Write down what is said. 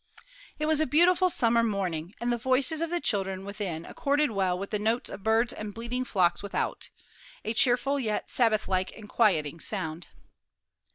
It was a beautiful summer morning, and the voices of the children within accorded well with the notes of birds and bleating flocks without a cheerful, yet Sabbath like and quieting sound.